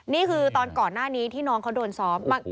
นี่คือตอนก่อนหน้านี้ที่น้องเขาโดนซ้อม